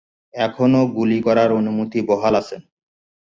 এখনো গুলি করার অনুমতি বহাল আছে?